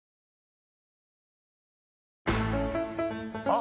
あ！